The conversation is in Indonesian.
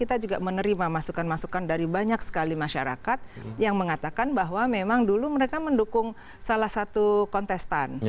kita juga menerima masukan masukan dari banyak sekali masyarakat yang mengatakan bahwa memang dulu mereka mendukung salah satu kontestan